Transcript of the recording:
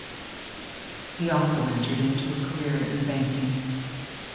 He also entered into a career in banking.